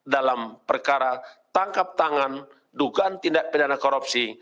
dalam perkara tangkap tangan dugaan tindak pidana korupsi